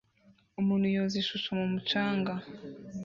Umuntu yoza ishusho mumucanga